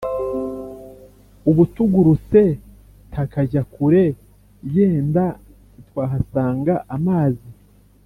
Ubu tugurutse takajya kure yenda ntitwahasanga amazi